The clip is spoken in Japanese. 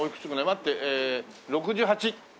待ってええ６８。